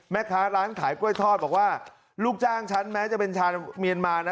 แม่ค้าร้านขายกล้วยทอดบอกว่าลูกจ้างฉันแม้จะเป็นชาวเมียนมานะ